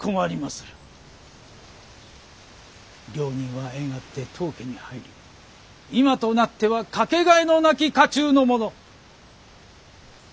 両人は縁あって当家に入り今となっては掛けがえのなき家中の者。